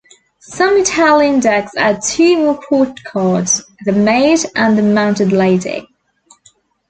Some Italian decks add two more court cards: the maid and the mounted lady.